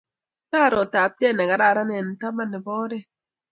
Karo taptet ne kararan eng' tapan nebo oret